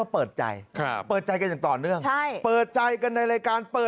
เพื่อชาติ